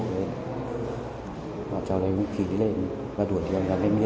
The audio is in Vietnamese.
bọn cháu lấy mũ khí lên và đuổi theo em em em đi